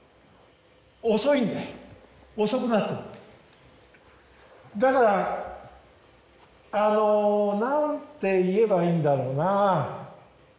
遅いんだよ遅くなってくるだからあの何て言えばいいんだろうなぁ